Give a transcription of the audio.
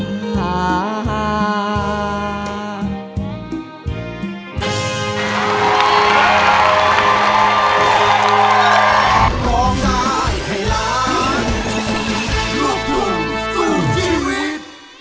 โอ้มมัวเป่าคาทามหาระร่าย